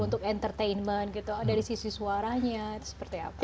untuk entertainment gitu dari sisi suaranya itu seperti apa